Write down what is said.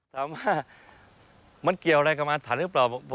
ถามว่ามันเกี่ยวอะไรกับอาถรรพ์หรือเปล่า